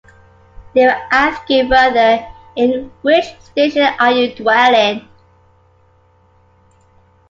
They will ask you further, In which station are you dwelling?